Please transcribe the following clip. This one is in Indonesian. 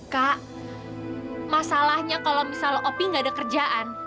kak masalahnya kalau misalnya opi gak ada kerjaan